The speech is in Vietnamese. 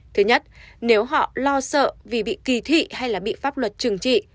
thứ nhất nếu họ lo sợ vì bị kỳ thị hay bị pháp luật trừng trị